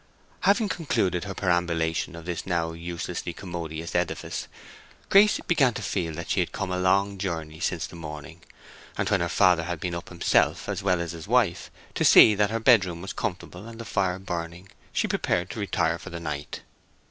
Having concluded her perambulation of this now uselessly commodious edifice, Grace began to feel that she had come a long journey since the morning; and when her father had been up himself, as well as his wife, to see that her room was comfortable and the fire burning, she prepared to retire for the night.